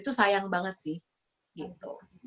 itu sayang banget sih gitu